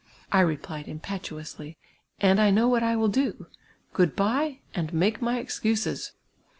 I replied impetuously, " And I know what I will do. Good bye, and make my excuses!"